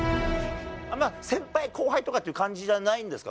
まあ、先輩後輩とかっていう感じじゃないんですか？